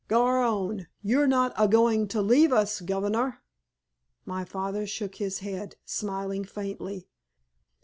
"Gar on! You're not a going to leave us, gov nor!" My father shook his head, smiling faintly.